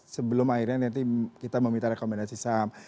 sebelum akhirnya nanti kita meminta rekomendasi saham